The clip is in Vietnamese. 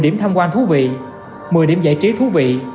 một mươi điểm tham quan thú vị một mươi điểm giải trí thú vị